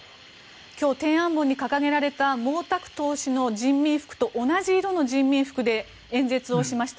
今日、天安門に掲げられた毛沢東氏と同じ色の人民服で演説をしました。